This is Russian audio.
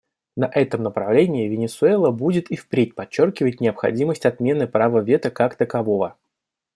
На этом направлении Венесуэла будет и впредь подчеркивать необходимость отмены права вето как такового.